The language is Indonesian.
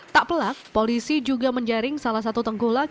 tak pelak polisi juga menjaring salah satu tengkulak